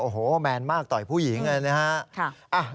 โอ้โฮแมนมากต่อยผู้หญิงกันนะครับ